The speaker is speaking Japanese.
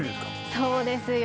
そうですよ。